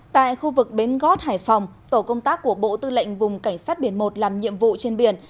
tại khu vực bến gót hải phòng tổ công tác của bộ tư lệnh vùng cảnh sát biển một làm nhiệm vụ trên biển